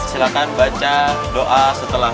silakan baca doa setelah